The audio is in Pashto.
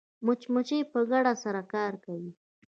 مچمچۍ په ګډه سره کار کوي